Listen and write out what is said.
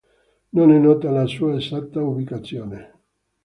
Non è nota la sua esatta ubicazione.